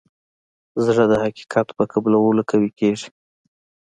زړه د حقیقت په قبلولو قوي کېږي.